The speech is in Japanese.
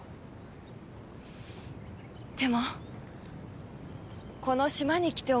でもこの島に来て思ったんです。